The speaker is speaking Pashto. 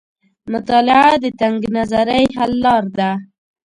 مطالعه د تنګ نظرۍ حل لار ده.